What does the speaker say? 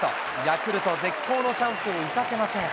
ヤクルト、絶好のチャンスを生かせません。